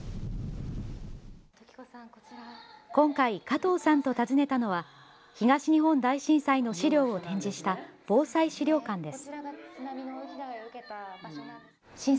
今回、加藤さんと訪ねたのは東日本大震災の資料を展示した防災資料館です。